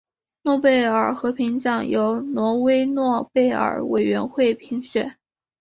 诺贝尔和平奖由挪威诺贝尔委员会评选。